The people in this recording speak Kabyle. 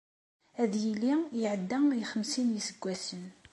Ad yili iɛedda i xemsin n yiseggasen.